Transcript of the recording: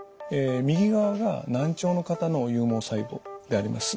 右側が難聴の方の有毛細胞であります。